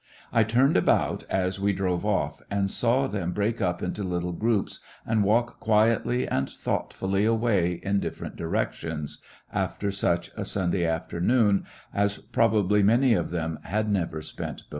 I turned about as we drove oflf, and saw them break up into little groups and walk quietly and thoughtfully away in differ ent directions, after such a Sunday afternoon 23 KecoCCections of a as probably many of them had never spent before.